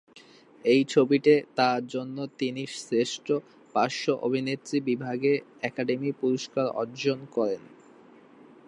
এই ছবিতে তার জন্য তিনি শ্রেষ্ঠ পার্শ্ব অভিনেত্রী বিভাগে একাডেমি পুরস্কার অর্জন করেন।